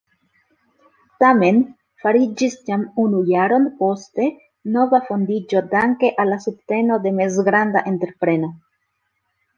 Tamen fariĝis jam unu jaron poste nova fondiĝo danke al subteno de mezgranda entrepreno.